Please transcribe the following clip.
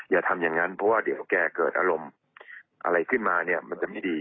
อย่าทำอย่างนั้นเพราะว่าเดี๋ยวแกเกิดอารมณ์อะไรขึ้นมาเนี่ยมันจะไม่ดี